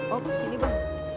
oh sini bang